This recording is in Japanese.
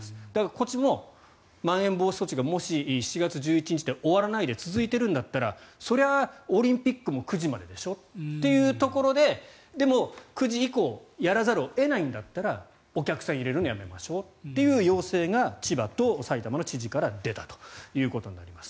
こっちもまん延防止措置がもし７月１１日で終わらないで続いているんだったらそれはオリンピックも９時まででしょというところででも、９時以降やらざるを得ないんだったらお客さん入れるのやめましょうという要請が千葉と埼玉の知事から出たということになります。